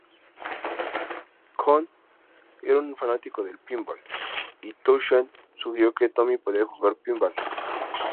Cohn era un fanático del pinball, y Townshend sugirió que Tommy podría jugar pinball.